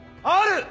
ある！